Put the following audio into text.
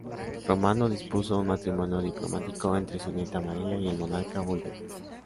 Romano dispuso un matrimonio diplomático entre su nieta María y el monarca búlgaro.